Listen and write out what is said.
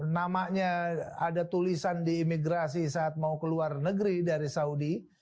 namanya ada tulisan di imigrasi saat mau ke luar negeri dari saudi